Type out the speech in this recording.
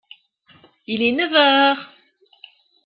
Il est neuf heures.